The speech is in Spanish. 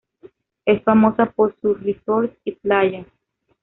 Es famosa por sus resorts y playas.